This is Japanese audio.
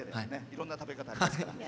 いろんな食べ方ありますから。